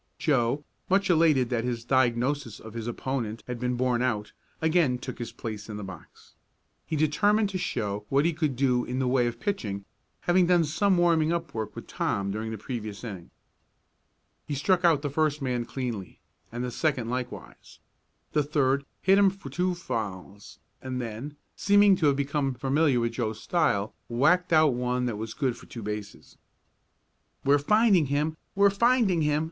Joe, much elated that his diagnosis of his opponent had been borne out, again took his place in the box. He determined to show what he could do in the way of pitching, having done some warming up work with Tom during the previous inning. He struck out the first man cleanly, and the second likewise. The third hit him for two fouls, and then, seeming to have become familiar with Joe's style, whacked out one that was good for two bases. "We're finding him! We're finding him!"